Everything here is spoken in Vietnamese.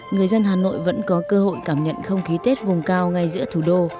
người dân hà nội vẫn có cơ hội cảm nhận không khí tết vùng cao ngay giữa thủ đô